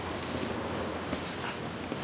あっ。